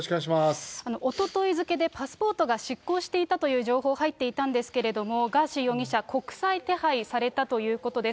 おととい付けでパスポートが失効していたという情報入っていたんですけれども、ガーシー容疑者、国際手配されたということです。